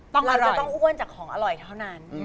จะต้องอ้วนจากของอร่อยเท่านั้น